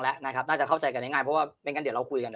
แล้วนะครับน่าจะเข้าใจกันง่ายเพราะว่าไม่งั้นเดี๋ยวเราคุยกัน